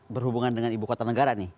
berhubungan dengan ibu kota negara nih